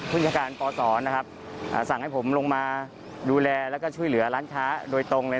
จากการปศนะครับสั่งให้ผมลงมาดูแลแล้วก็ช่วยเหลือร้านค้าโดยตรงเลย